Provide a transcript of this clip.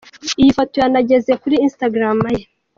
Iyi foto yanageze kuri instagram ye.